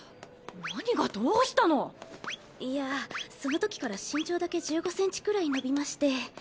何がどうしたの⁉いやそのときから身長だけ１５センチくらい伸びまして。